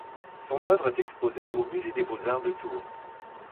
Son œuvre est exposée au musée des Beaux-Arts de Tours.